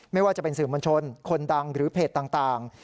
ไม่ว่าจะเป็นสื่อมวลชนคนดังหรือเพจต่าง